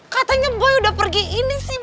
katanya boy udah pergi ini sih